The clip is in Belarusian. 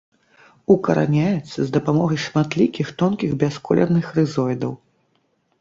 Укараняецца з дапамогай шматлікіх тонкіх бясколерных рызоідаў.